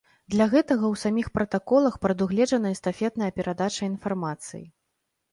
Для гэтага ў саміх пратаколах прадугледжана эстафетная перадача інфармацыі.